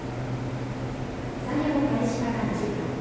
作業開始から２時間。